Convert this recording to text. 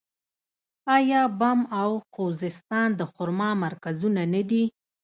آیا بم او خوزستان د خرما مرکزونه نه دي؟